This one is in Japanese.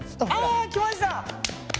あきました！